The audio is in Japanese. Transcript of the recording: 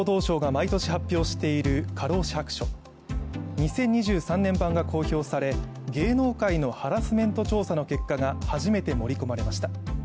２０２３年版が公表され、芸能界のハラスメント調査の結果が初めて盛り込まれました。